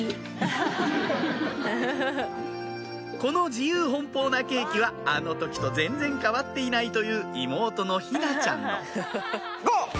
この自由奔放なケーキはあの時と全然変わっていないという妹の陽菜ちゃんの・ゴー！